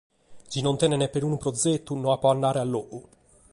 Si non tenent perunu progetu, non apo andare a logu.